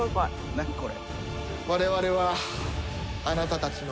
何これ？